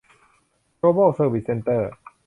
โกลบอล เซอร์วิส เซ็นเตอร์